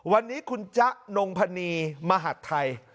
วันนี้คุณจ๊ะนงพนีมหัฐไทย